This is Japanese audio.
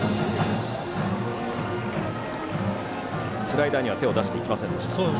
スライダーには手を出していきませんでした。